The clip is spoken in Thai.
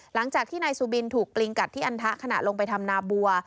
หลังจากที่นายซูบินถูกปลิงกัดที่อันทะขณะลงไปทำนาบัว